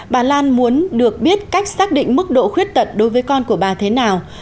bà lan muốn được biết cách xác định mức độ khuyết tật đối với con của bà thế nào